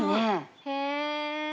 へえ。